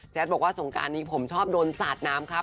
บอกว่าสงการนี้ผมชอบโดนสาดน้ำครับ